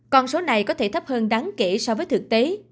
con số này có thể thấp hơn đáng kể so với thực tế